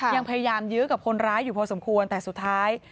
ยังพยายามยื้อกับคนร้ายอยู่พอสมควรแต่สุดท้าย